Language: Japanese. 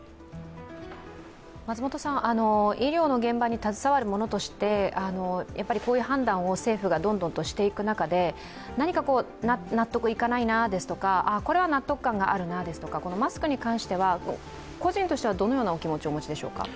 医療の現場に携わる者としてこういう判断を政府がどんどんしていく中で何か納得いかないなですとかこれは納得感があるなですとか、マスクに関しては個人としてはどのようなお気持ちをお持ちでしょうか。